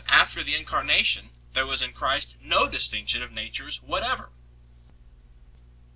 after the Incarnation there was in Christ no distinction of Natures whatever.